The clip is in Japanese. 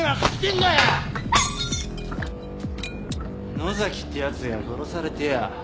能崎ってやつが殺されてよ